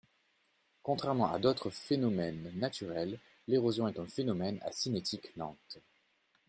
Contrairement à d’autres phénomènes naturels, l’érosion est un phénomène à cinétique lente.